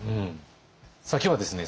さあ今日はですね